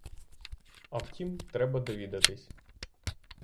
А втім, треба довідатись.